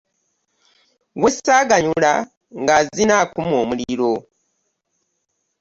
Weesaganyula ng’azina akuma omuliro.